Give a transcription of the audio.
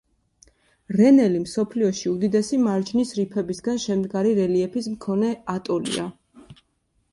რენელი მსოფლიოში უდიდესი მარჯნის რიფებისგან შემდგარი რელიეფის მქონე ატოლია.